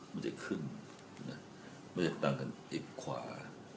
มันจะขึ้นมันจะต่ำกับอีกขวา